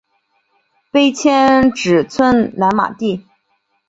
碑迁址村南马地。